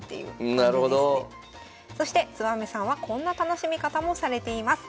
そしてつばめさんはこんな楽しみ方もされています。